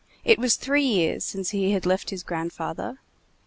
It was three years since he had left his grandfather.